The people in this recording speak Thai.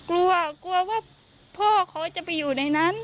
กลัวกลัวว่าพ่อเขาจะไปอยู่ในนั้น